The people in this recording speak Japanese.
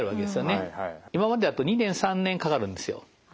今までだと２年３年かかるんですよ。